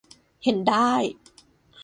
เห็นได้